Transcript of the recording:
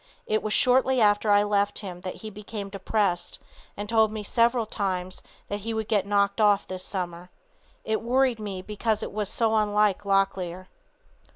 It was shortly after I left him that he became depressed and told me several times that he would get knocked off this summer. It worried me because it was so unlike Locklear."